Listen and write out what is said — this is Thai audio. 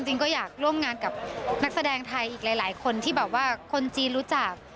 จริงก็อยากร่วมงานกับนักแสดงไทยอีกหลายคนที่แบบว่าคนจีนรู้จัก